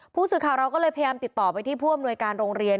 ผู้สื่อข่าวเราก็เลยพยายามติดต่อไปที่ผู้อำนวยการโรงเรียน